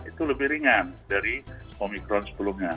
itu lebih ringan dari omikron sebelumnya